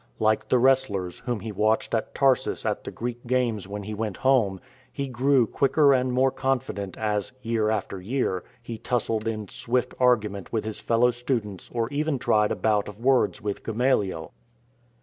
Like the wrestlers, whom he watched at Tarsus at the Greek games when he went home, he grew quicker and more confident as, year after year, he tussled in swift argument with his fellow students or even tried a bout of words with Gamaliel.